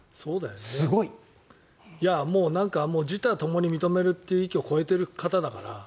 すごい。自他ともに認めるという域を越えてる方だから。